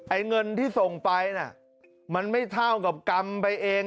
เงินที่ส่งไปน่ะมันไม่เท่ากับกรรมไปเอง